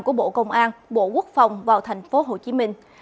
của bộ công an bộ quốc phòng vào thành phố hồ chí minh